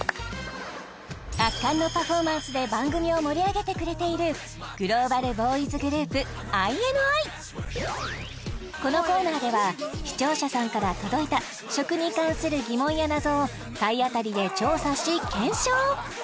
圧巻のパフォーマンスで番組を盛り上げてくれているこのコーナーでは視聴者さんから届いた食に関する疑問や謎を体当たりで調査し検証！